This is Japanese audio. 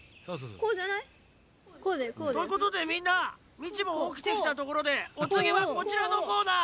こうだよこうだよ。ということでみんなミチもおきてきたところでおつぎはこちらのコーナー